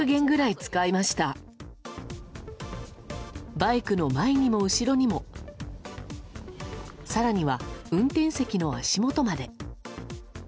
バイクの前にも後ろにも更には、運転席の足元まで。